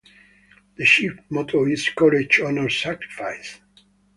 "The ships motto is "Courage Honor Sacrifice".